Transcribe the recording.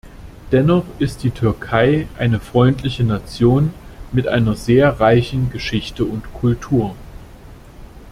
Dennoch ist die Türkei eine freundliche Nation mit einer sehr reichen Geschichte und Kultur.